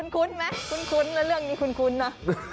คุ้นไหมคุ้นนะเรื่องนี้คุ้นนะ